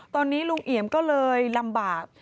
ตอนนี้ลุงเอี่ยมก็เลยลำบาก